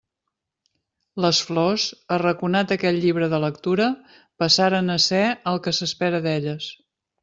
Les flors, arraconat aquell llibre de lectura, passaren a ser el que s'espera d'elles.